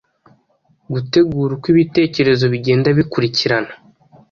Gutegura uko ibitekerezo bigenda bikurikirana.